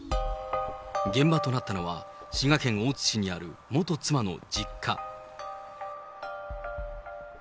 現場となったのは、滋賀県大津市にある元妻の実家。